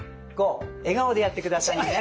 笑顔でやってくださいね。